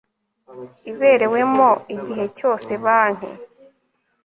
iberewemo igihe cyose banki